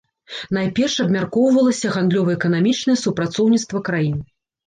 Найперш абмяркоўвалася гандлёва-эканамічнае супрацоўніцтва краін.